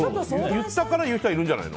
言ったから言う人はいるんじゃない？